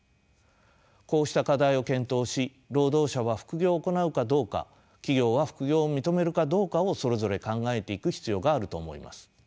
こうした課題を検討し労働者は副業を行うかどうか企業は副業を認めるかどうかをそれぞれ考えていく必要があると思います。